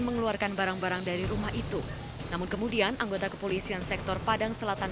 mengeluarkan barang barang dari rumah itu namun kemudian anggota kepolisian sektor padang selatan